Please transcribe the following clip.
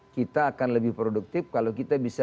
kita akan lebih produktif kalau kita bisa